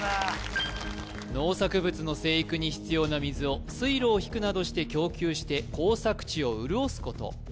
農作物の生育に必要な水を水路を引くなどして供給して耕作地を潤すこと